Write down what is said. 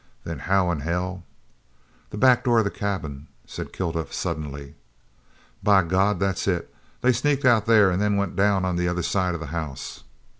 "Then how in hell " "The back door of the cabin!" said Kilduff suddenly. "By God, that's it! They sneaked out there and then went down on the other side of the house."